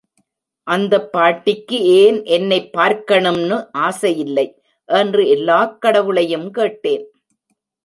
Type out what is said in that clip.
அந்த பாட்டிக்கு ஏன் என்னைப் பார்க்கணும்னு ஆசையில்லை, என்று எல்லா கடவுளையும் கேட்டேன்.